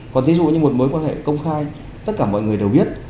còn thí dụ như một mối quan hệ công khai tất cả mọi người đều biết